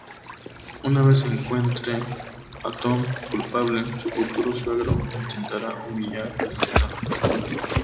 Una vez se encuentre a Tom culpable, su futuro suegro intentará humillar al fiscal.